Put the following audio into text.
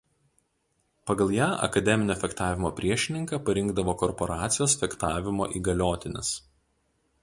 Pagal ją akademinio fechtavimo priešininką parinkdavo korporacijos fechtavimo įgaliotinis.